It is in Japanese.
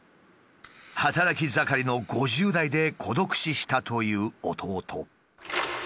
働き盛りの５０代で孤独死したという弟。